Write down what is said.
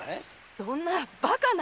そんなバカな！